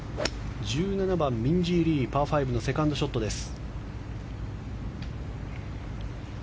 １７番、ミンジー・リーパー５のセカンドショットです。